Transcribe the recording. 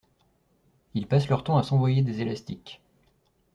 Ils passent leur temps à s'envoyer des élastiques.